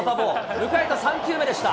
迎えた３球目でした。